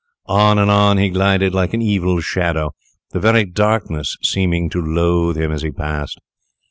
On and on he glided, like an evil shadow, the very darkness seeming to loathe him as he passed.